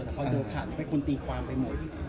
แต่พอเดินขันมันเป็นคนตีความไปหมด